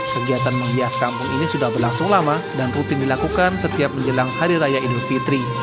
kegiatan menghias kampung ini sudah berlangsung lama dan rutin dilakukan setiap menjelang hari raya idul fitri